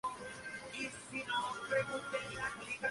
La contraofensiva rusa no consigue, de todos modos, recuperar Nóvgorod.